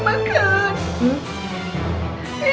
พี่ถึงป้ามสายฝนได้